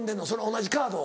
同じカードを。